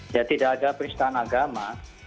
ya tidak ada peristahan agama